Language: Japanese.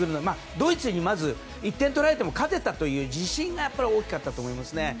ドイツにまず１点取られても勝てたという自信が大きかったと思いますね。